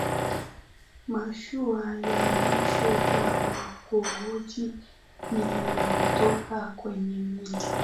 mashua ya mwisho ya uokoaji iliondoka kwenye meli